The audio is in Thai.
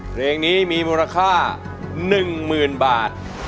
เพลงนี้มีมูลค่า๑หมื่นบาท